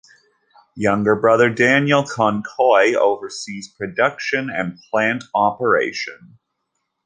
Younger brother Daniel "Concoy" oversees production and plant operation.